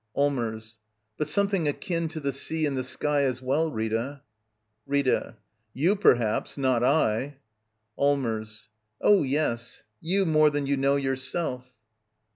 ^^ Allmers. But something akin to the sea and the ^•Slqr as well, Rita, Rita. You, perhaps. Not I. ^^LLMERS. Oh, yes — you more than you know yourself.